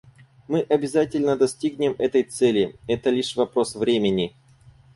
Мы обязательно достигнем этой цели; это лишь вопрос времени.